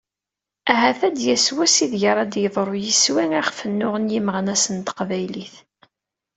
Ahat! Ad d-yas wass, ideg ara d-yeḍru yiswi, iɣef nnuɣen yimeɣnasen n teqbaylit.